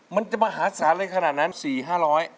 มันจะมหาศาลเลยขนาดนั้น๔๕๐๐บาท